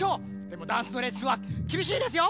でもダンスのレッスンはきびしいですよ！